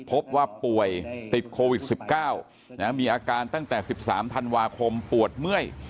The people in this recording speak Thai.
พบว่าป่วยติดโควิด๑๙มีอาการตั้งแต่๑๓ธันวาคมปวดเมื่อย